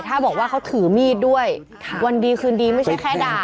ถ้าบอกว่าเขาถือมีดด้วยวันดีคืนดีไม่ใช่แค่ด่า